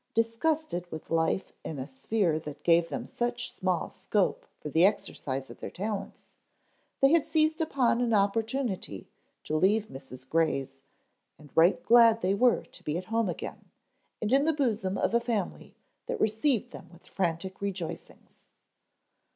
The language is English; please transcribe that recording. Disgusted with life in a sphere that gave them such small scope for the exercise of their talents, they had seized upon an opportunity to leave Mrs. Gray's, and right glad they were to be at home again and in the bosom of a family that received them with frantic rejoicings.